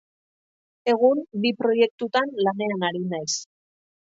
Egun, bi proiektutan lanean ari naiz.